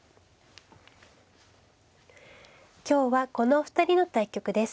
今日はこのお二人の対局です。